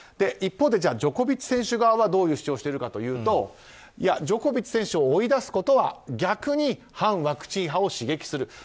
一方でジョコビッチ選手側はどんな主張をしているかというとジョコビッチ選手を追い出すことは逆に反ワクチン派を刺激する。